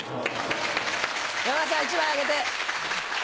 山田さん１枚あげて。